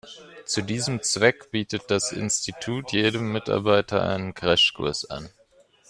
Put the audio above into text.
Zu diesem Zweck bietet das Institut jedem Mitarbeiter einen Crashkurs an.